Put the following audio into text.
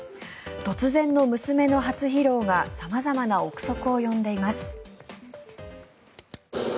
突然の娘の初披露が様々な臆測を呼んでいます。